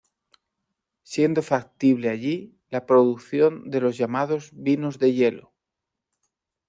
Siendo factible allí la producción de los llamados vinos de hielo.